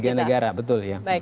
tiga negara betul ya